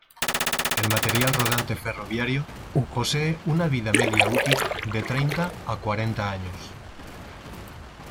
El material rodante ferroviario posee una vida media útil de treinta a cuarenta años.